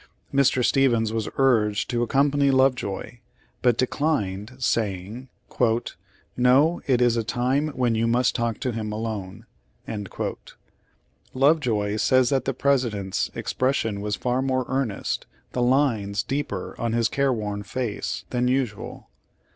Mr. Stevens was urged to accompany Lovejoy, but de clined, saying: "No, it is a time when you must talk to him alone." Lovejoy says that the Presi dent's "expression was more earnest; the lines deeper on his care worn face," than usual.